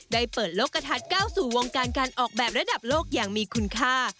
ได้เปิดโลกกระทัดก้าวสู่วงการการออกแบบระดับโลกอย่างมีคุณค่า